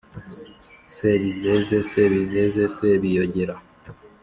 “Sebizeze Sebizeze, Sebiyogera